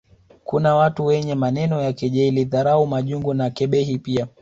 Kuna watu wenye maneno ya kejeli dhadhau majungu na kebehi pia